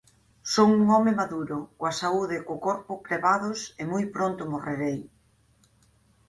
Son un home maduro, coa saúde e o corpo crebados, e moi pronto morrerei.